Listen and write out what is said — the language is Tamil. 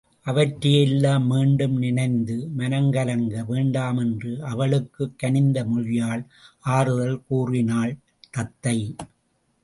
அவற்றை எல்லாம் மீண்டும் நினைந்து மனம் கலங்க வேண்டாம் என்று அவளுக்குக் கனிந்த மொழியால் ஆறுதல் கூறினாள் தத்தை.